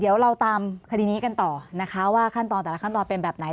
เดี๋ยวเราตามคดีนี้กันต่อนะคะว่าขั้นตอนแต่ละขั้นตอนเป็นแบบไหน